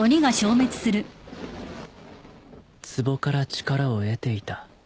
壺から力を得ていた